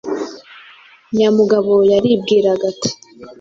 Nyamugabo yaribwiraga ati: “